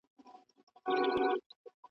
زه پرون ږغ اورم وم،